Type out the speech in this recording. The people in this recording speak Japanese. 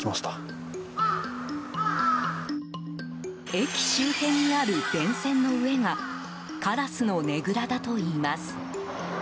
駅周辺にある電線の上がカラスのねぐらだといいます。